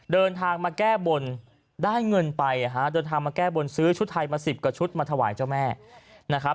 เดินทางมาแก้บนได้เงินไปเดินทางมาแก้บนซื้อชุดไทยมา๑๐กว่าชุดมาถวายเจ้าแม่นะครับ